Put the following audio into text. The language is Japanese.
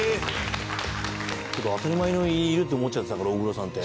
当たり前にいるって思っちゃってたから大黒さんって。